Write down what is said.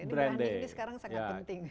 ini sekarang sangat penting